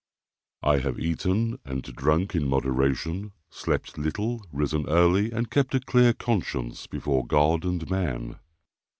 I have eaten and drunk in moderation, slept little, risen early, and kept a clear conscience before God and man.